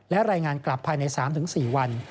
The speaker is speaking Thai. และรายงานกลับภายใน๓๔วัน